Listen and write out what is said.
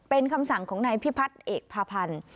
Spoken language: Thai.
เป็นคำสั่งของนายพิพัฒน์เอกพาพันธ์